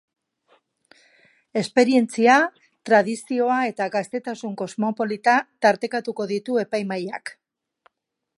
Esperientzia, tradizioa eta gaztetasun kosmopolita tartekatuko ditu epaimahaiak.